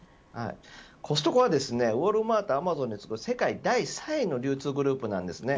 コストコはウォルマートＡｍａｚｏｎにつぐ世界第３位の流通グループです。